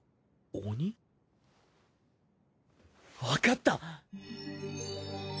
わかった！